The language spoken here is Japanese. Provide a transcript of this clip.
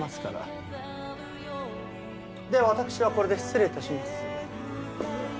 ではわたくしはこれで失礼致します。